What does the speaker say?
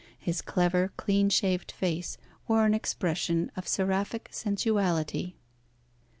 His clever, clean shaved face wore an expression of seraphic sensuality.